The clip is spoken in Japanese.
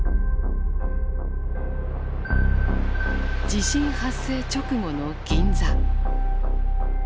地震発生直後の銀座。